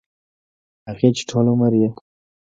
هغـې چـې ټـول عـمر يـې